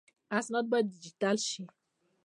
اسناد باید ډیجیټل شي